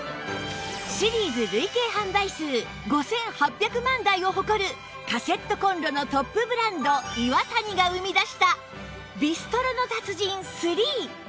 シリーズ累計販売数５８００万台を誇るカセットコンロのトップブランドイワタニが生み出したビストロの達人 Ⅲ